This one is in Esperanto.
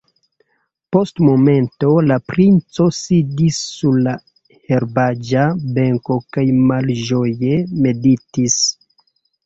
Post momento la princo sidis sur la herbaĵa benko kaj malĝoje meditis.